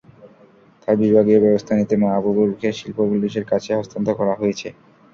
তাই বিভাগীয় ব্যবস্থা নিতে মাহবুবুরকে শিল্প পুলিশের কাছে হস্তান্তর করা হয়েছে।